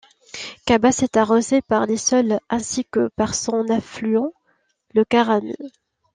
Cabasse est arrosée par l'Issole, ainsi que par son affluent, le Carami.